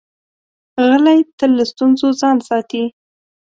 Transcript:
غلی، تل له ستونزو ځان ساتي.